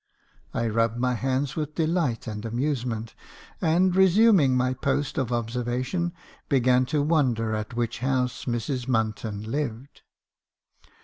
I rubbed my hands with delight and amusement, and, resuming my post of observation, began to wonder at which house Mrs. Munton lived.